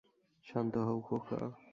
শান্ত হও, খোকা।